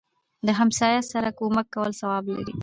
دهمسایه سره کومک کول ثواب لري